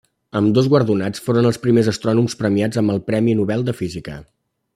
Ambdós guardonats foren els primers astrònoms premiats amb el Premi Nobel de Física.